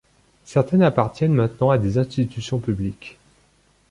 Certaines appartiennent maintenant à des institutions publiques.